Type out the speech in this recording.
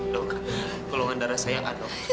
dok kulungan darah saya nggak dok